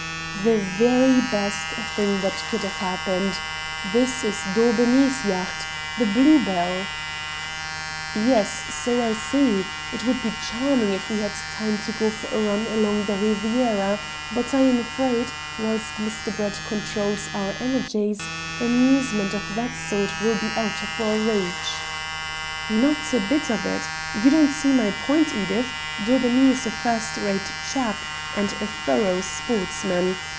"The very best thing that could have happened. There is Daubeney's yacht, the Blue Bell." "Yes. So I see. It would be charming if we had time to go for a run along the Riviera, but I am afraid, whilst Mr. Brett controls our energies, amusement of that sort will be out of our reach." "Not a bit of it. You do not see my point, Edith. Daubeney is a first rate chap, and a thorough sportsman.